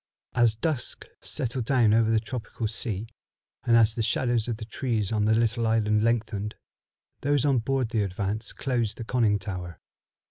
As dusk settled down over the tropical sea, and as the shadows of the trees on the little island lengthened, those on board the Advance closed the Conning tower.